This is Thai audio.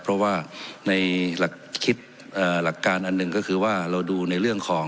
เพราะว่าในหลักคิดหลักการอันหนึ่งก็คือว่าเราดูในเรื่องของ